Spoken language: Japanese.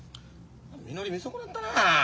みのり見損なったなあ。